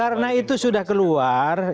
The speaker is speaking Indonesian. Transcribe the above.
karena itu sudah keluar